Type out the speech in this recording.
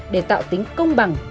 để tạo tính công bằng